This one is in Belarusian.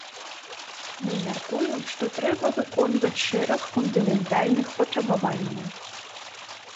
Мы мяркуем, што трэба выконваць шэраг фундаментальных патрабаванняў.